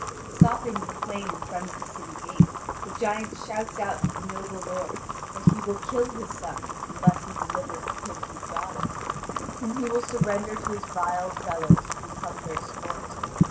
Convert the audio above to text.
Stopping in the plain in front of the city gate, the giant shouts out to the noble lord that he will kill his sons unless he delivers to him his daughter, whom he will surrender to his vile fellows to become their sport.